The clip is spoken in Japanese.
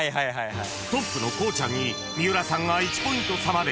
［トップのこうちゃんに三浦さんが１ポイント差まで肉薄］